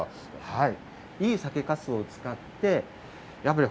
はい。